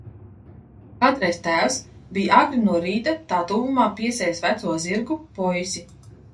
Kādreiz tēvs bija agri no rīta tā tuvumā piesējis veco zirgu Poisi.